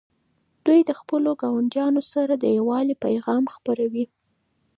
دوی د خپلو ګاونډیانو سره د یووالي پیغام خپروي.